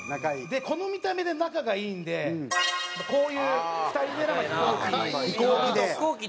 でこの見た目で仲がいいんでこういう２人で飛行機。